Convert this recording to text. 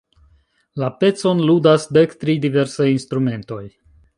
La pecon ludas dek tri diversaj instrumentoj.